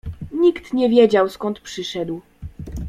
Nikt nie wiedział, skąd przyszedł.